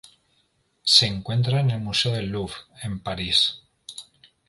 Se encuentra en el Museo del Louvre, en París.